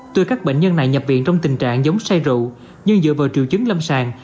tuy các bệnh nhân này nhập viện trong tình trạng giống sai rượu nhưng dựa vào triệu chứng lâm sàng